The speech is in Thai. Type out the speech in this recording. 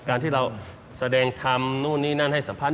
การที่เราแสดงธรรมนู่นนี่นั่นให้สัมพันธ